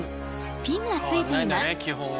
ピンがついています。